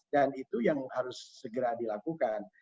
dan itu yang harus segera dilakukan